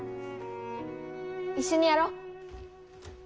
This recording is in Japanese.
一緒にやろ。